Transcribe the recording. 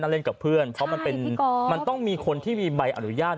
เล่นกับเพื่อนเพราะมันเป็นมันต้องมีคนที่มีใบอนุญาต